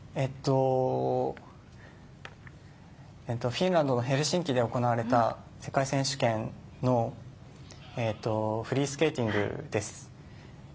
フィンランドのヘルシンキで行われた世界選手権のフリースケーティングです。